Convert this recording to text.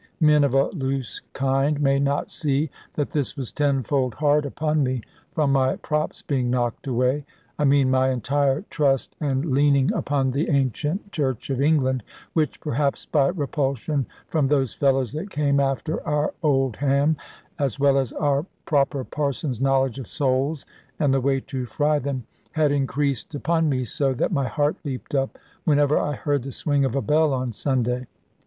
Men of a loose kind may not see that this was tenfold hard upon me, from my props being knocked away. I mean my entire trust and leaning upon the ancient Church of England, which (perhaps by repulsion from those fellows that came after our old ham, as well as our proper parson's knowledge of soles and the way to fry them) had increased upon me so, that my heart leaped up whenever I heard the swing of a bell on Sunday.